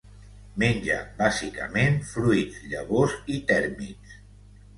Menja bàsicament fruits, llavors i tèrmits.